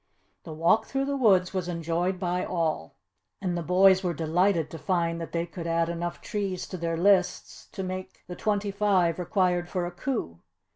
The walk through the woods was enjoyed by all and the boys were delighted to find that they could add enough trees to their lists to make the twenty five required for a coup.